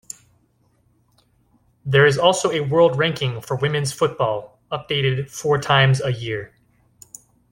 There is also a world ranking for women's football, updated four times a year.